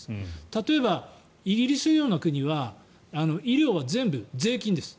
例えばイギリスのような国は医療は全部、税金です。